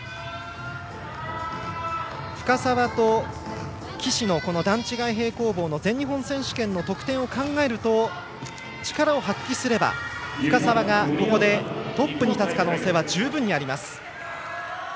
深沢と岸の、段違い平行棒の全日本選手権の得点を考えると力を発揮すれば、深沢がここでトップに立つ可能性は十分あります。